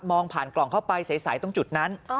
ผ่านกล่องเข้าไปใสตรงจุดนั้น